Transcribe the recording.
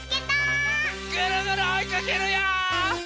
ぐるぐるおいかけるよ！